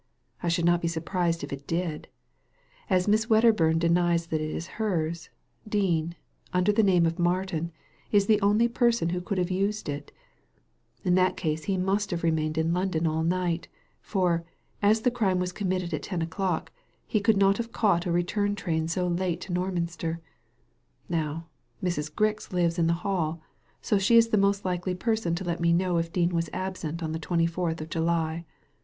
I should not be surprised if it did. As Miss Wedderbum denies that it is hers, Dean, under the name of Martin, is the only person who could have used it In that case he must have remained in London all night ; for, as the crime was committed at ten o'clock, he could not have caught a return train so late to Norminster. Now, Mrs. Grix lives in the Hall, so she is the most likely person to let me know if Dean was absent on the twenty fourth of July.